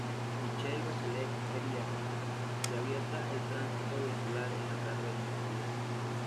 Michelle Bachelet Jeria, y abierta al tránsito vehicular en la tarde del mismo día.